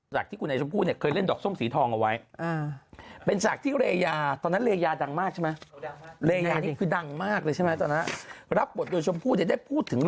จากที่คุณไอชมพู่เนี่ยเคยเล่นดอกส้มสีทองเอาไว้